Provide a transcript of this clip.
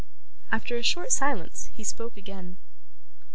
After a short silence, he spoke again.